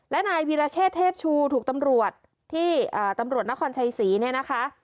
และนายวีรเชษเทพชูถูกตำรวจที่ตำรวจนครชัยศรีเนี่ยนะคะ